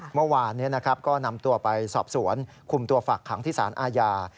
เมื่อวานก็นำตัวไปสอบสวนคุมตัวฝากขังที่สารอาญา